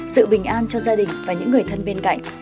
sự bình an cho gia đình và những người thân bên cạnh